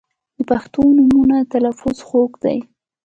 • د پښتو نومونو تلفظ خوږ دی.